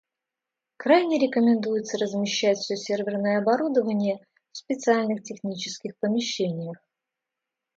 Крайне рекомендуется размещаться все серверное оборудование в специальных технических помещениях